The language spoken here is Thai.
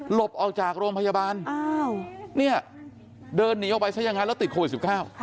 หลบออกจากโรงพยาบาลเดินหนีออกไปซะยังไงแล้วติดโควิด๑๙